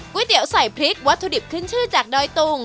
เตี๋ยวใส่พริกวัตถุดิบขึ้นชื่อจากดอยตุง